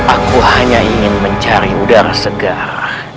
aku hanya ingin mencari udara segar